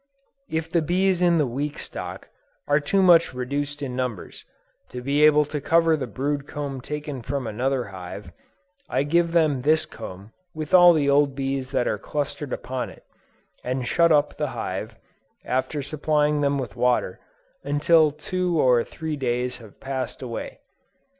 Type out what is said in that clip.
If the bees in the weak stock, are too much reduced in numbers, to be able to cover the brood comb taken from another hive, I give them this comb with all the old bees that are clustered upon it, and shut up the hive, after supplying them with water, until two or three days have passed away.